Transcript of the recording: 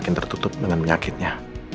makin tertutup dengan penyakitnya